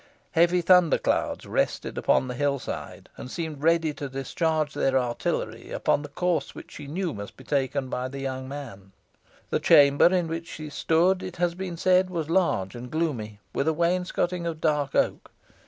Heavy thunder clouds rested upon the hill side, and seemed ready to discharge their artillery upon the course which she knew must be taken by the young man. The chamber in which she stood, it has been said, was large and gloomy, with a wainscoting of dark oak.